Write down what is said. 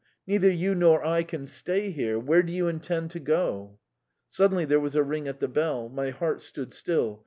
Neither you nor I can stay here. Where do you intend to go?" Suddenly there was a ring at the bell. My heart stood still.